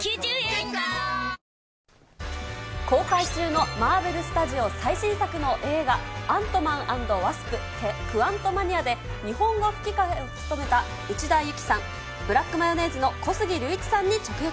公開中のマーベル・スタジオ最新作の映画、アントマン＆ワスプ・クアントマニアで日本語吹き替えを務めた内田有紀さん、ブラックマヨネーズの小杉竜一さんに直撃。